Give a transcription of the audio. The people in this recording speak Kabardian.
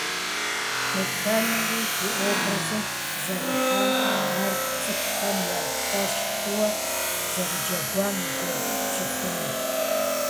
Дэтхэнэри и образым зэрихьам, ар цӏыхухэм я фӏэщ хъууэ зэрыджэгуам и гугъу пщӏыфынущ.